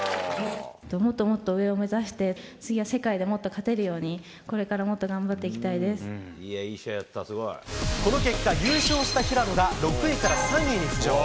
もっともっと上を目指して、次は世界でもっと勝てるように、これからもっと頑張っていきたいこの結果、優勝した平野が６位から３位に浮上。